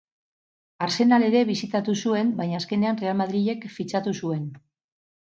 Arsenal ere bisitatu zuen, baina azkenean Real Madrilek fitxatu zuen.